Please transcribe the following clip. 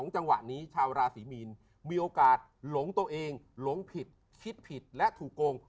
จังหวะนี้ชาวราศีมีนมีโอกาสหลงตัวเองหลงผิดคิดผิดและถูกโกง